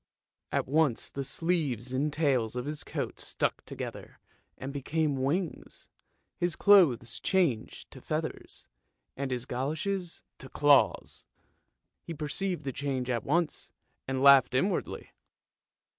" At once the sleeves and tails of his coat stuck together and became wings, his clothes changed to feathers, and his goloshes to claws. He perceived the change at once, and laughed inwardly.